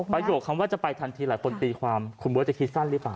โยคคำว่าจะไปทันทีหลายคนตีความคุณเบิร์ตจะคิดสั้นหรือเปล่า